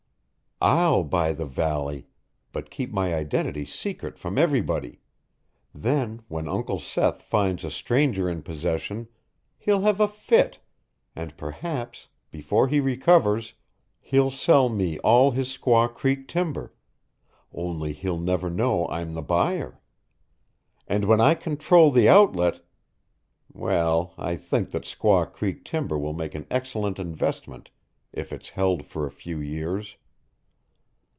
I'LL buy the Valley but keep my identity secret from everybody; then, when Uncle Seth finds a stranger in possession, he'll have a fit, and perhaps, before he recovers, he'll sell me all his Squaw Creek timber only he'll never know I'm the buyer. And when I control the outlet well, I think that Squaw Creek timber will make an excellent investment if it's held for a few years.